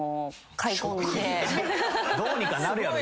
どうにかなるやろ。